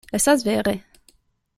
Estas vere.